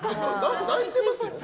泣いてますよ。